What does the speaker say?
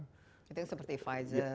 itu yang seperti pfizer